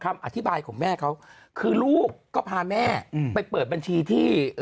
คำอธิบายของแม่เขาคือลูกก็พาแม่ไปเปิดบัญชีที่